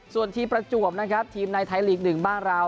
ส่วนทีมประจวบนะครับทีมในไทยลีก๑บ้านเรา